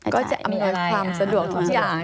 ก็จะอำนวยความสะดวกทุกอย่าง